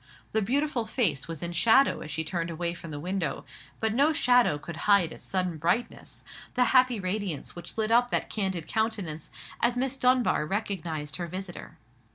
The beautiful face was in shadow as she turned away from the window; but no shadow could hide its sudden brightness, the happy radiance which lit up that candid countenance, as Miss Dunbar recognized her visitor.